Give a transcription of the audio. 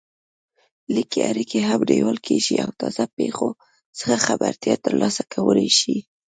لیکلې اړیکې هم نیول کېږي او تازه پېښو څخه خبرتیا ترلاسه کولای شي.